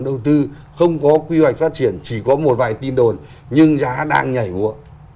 đầu tư không có quy hoạch phát triển chỉ có một vài tin đồn nhưng giá đang nhảy múa